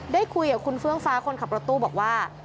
ได้คุยกับคุณเฟื่องฟ้าคนขับรถตู้บอกว่า